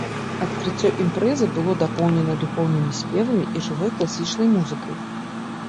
Адкрыццё імпрэзы было дапоўнена духоўнымі спевамі і жывой класічнай музыкай.